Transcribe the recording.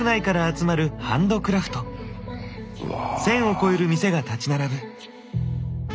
１，０００を超える店が立ち並ぶ。